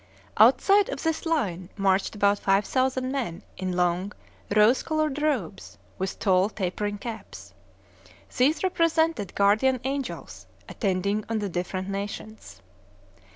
Outside of this line marched about five thousand men in long rose colored robes, with tall tapering caps. These represented guardian angels attending on the different nations.